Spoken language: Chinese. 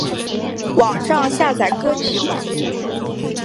网上下载歌曲榜